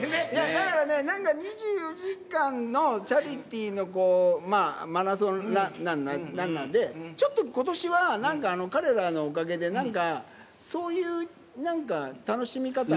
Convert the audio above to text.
だからね、なんか２４時間のチャリティーのマラソンランナーで、ちょっとことしは、なんか彼らのおかげでなんか、そういうなんか、楽しみ方も。